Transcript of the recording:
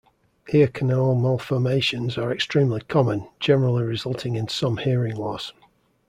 Ear canal malformations are extremely common, generally resulting in some hearing loss.